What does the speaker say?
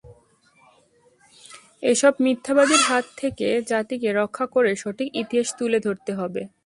এসব মিথ্যাবাদীর হাত থেকে জাতিকে রক্ষা করে সঠিক ইতিহাস তুলে ধরতে হবে।